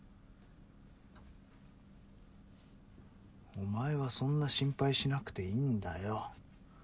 お前はそんな心配しなくていいんだよ。